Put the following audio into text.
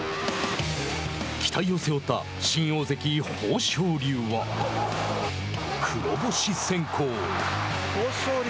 期待を背負った新大関・豊昇龍は黒星先行。